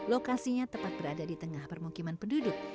lokasinya tepat berada di tengah permukiman penduduk